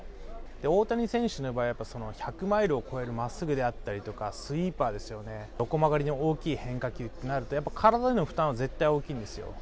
大谷選手の場合、やっぱり１００マイルを超えるまっすぐであったりとか、スイーパーですよね、横曲がりの大きい変化球ってなると、やっぱ体への負担は大きいんですよ。